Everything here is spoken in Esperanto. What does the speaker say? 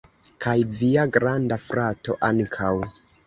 Kaj via granda frato ankaŭ